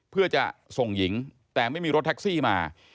เพื่อจะส่งหญิงแต่ไม่มีรถแท็กซี่มา